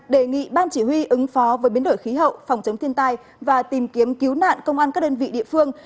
đề nghị ban chỉ huy ứng phó với biến đổi khí hậu phòng chống thiên tai và tìm kiếm cứu nạn công an các đơn vị địa phương